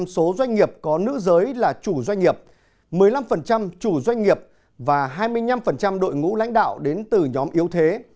chín mươi số doanh nghiệp có nữ giới là chủ doanh nghiệp một mươi năm chủ doanh nghiệp và hai mươi năm đội ngũ lãnh đạo đến từ nhóm yếu thế